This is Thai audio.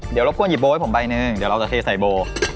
เดี๋ยวรบกวนหิโบให้ผมใบหนึ่งเดี๋ยวเราจะเทใส่โบ